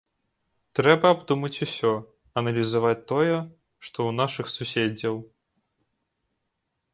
Трэба абдумаць усё, аналізаваць тое, што ў нашых суседзяў.